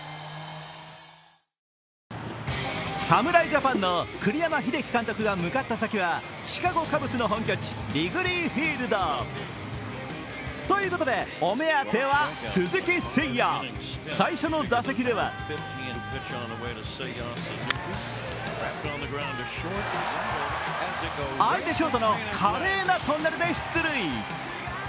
侍ジャパンの栗山英樹監督が向かった先はシカゴ・カブスの本拠地、リグレー・フィールド。ということでお目当ては鈴木誠也、最初の打席では相手ショートの華麗なトンネルで出塁。